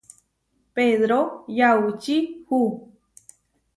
Pedró yaučíhu.